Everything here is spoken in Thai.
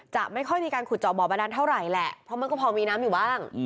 จะไม่ค่อยมีการขุดเจาะบ่อบาดานเท่าไหร่แหละเพราะมันก็พอมีน้ำอยู่บ้าง